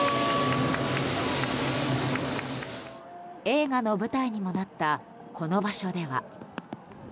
映画の舞台にもなったこの場所では。